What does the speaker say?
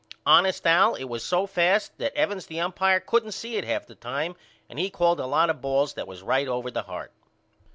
Honest Al it was so fast that Evans the umpire couldn't see it half the time and he called a lot of balls that was right over the heart.